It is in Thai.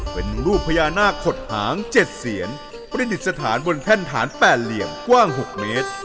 เป็นรูปพญานาคขดหาง๗เสียนประดิษฐานบนแท่นฐาน๘เหลี่ยมกว้าง๖เมตร